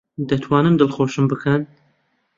دەتوانن دڵخۆشم بکەن؟